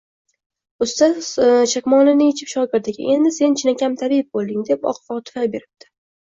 Ustoz chakmonini yechib, shogirdiga, endi sen chinakam tabib bo‘lding, deb oq fotiha beribdi